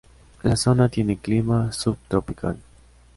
La zona tiene Clima subtropical.